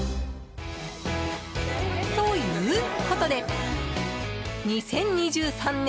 ということで、２０２３年